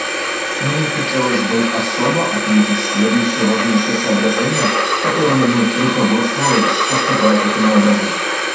Мне хотелось бы особо отметить следующие важнейшие соображения, которыми мы руководствовались, поступая таким образом.